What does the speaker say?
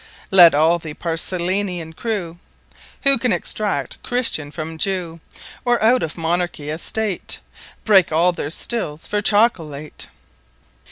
Let all the Paracelsian Crew Who can Extract Christian from Jew; Or out of Monarchy, A State, Breake `all their Stills for Chocolate.